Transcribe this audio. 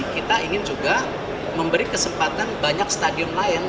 kita ingin juga memberi kesempatan banyak stadion lain